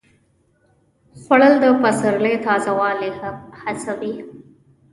خوړل د پسرلي تازه والی حسوي